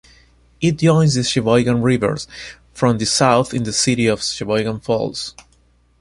It joins the Sheboygan River from the south in the city of Sheboygan Falls.